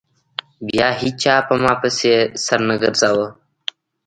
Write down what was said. بيا هېچا په ما پسې سر نه گرځاوه.